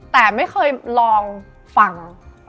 แต่ไม่เคยลองฟัง